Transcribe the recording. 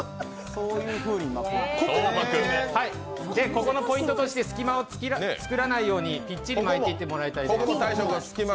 ここのポイントとして隙間を作らないようにきっちり巻いていっていただきたいです。